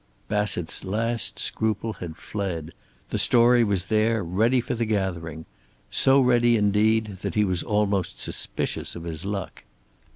Bassett's last scruple had fled. The story was there, ready for the gathering. So ready, indeed, that he was almost suspicious of his luck.